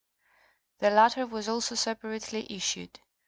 The latter was also separately issued.